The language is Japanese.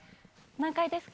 何回ですか？